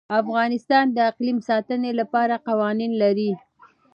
افغانستان د اقلیم د ساتنې لپاره قوانین لري.